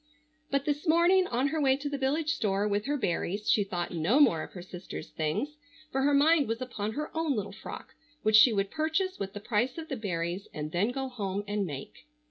But this morning on her way to the village store with her berries she thought no more of her sister's things, for her mind was upon her own little frock which she would purchase with the price of the berries, and then go home and make.